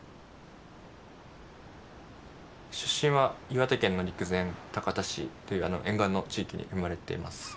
出身は岩手県の陸前高田市っていう沿岸の地域に生まれてます。